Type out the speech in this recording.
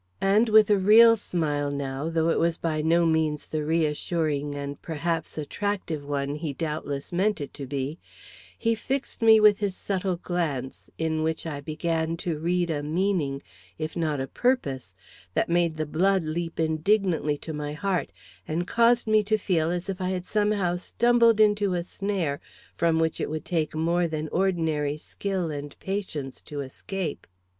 And with a real smile now, though it was by no means the reassuring and perhaps attractive one he doubtless meant it to be, he fixed me with his subtle glance, in which I began to read a meaning, if not a purpose, that made the blood leap indignantly to my heart, and caused me to feel as if I had somehow stumbled into a snare from which it would take more than ordinary skill and patience to escape.